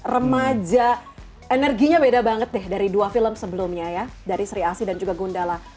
remaja energinya beda banget deh dari dua film sebelumnya ya dari sri asi dan juga gundala